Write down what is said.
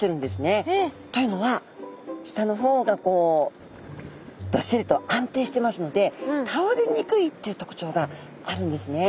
えっ！？というのは下の方がこうどっしりと安定してますのでたおれにくいというとくちょうがあるんですね。